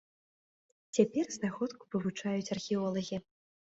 Цяпер знаходку вывучаюць археолагі.